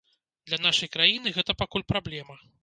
Для нашай краіны гэта пакуль праблема.